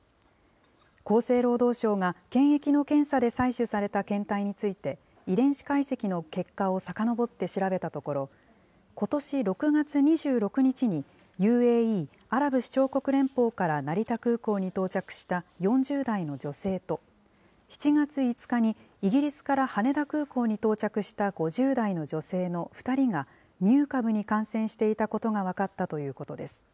厚生労働省が、検疫の検査で採取された検体について、遺伝子解析の結果をさかのぼって調べたところ、ことし６月２６日にＵＡＥ・アラブ首長国連邦から成田空港に到着した４０代の女性と、７月５日にイギリスから羽田空港に到着した５０代の女性の２人が、ミュー株に感染していたことが分かったということです。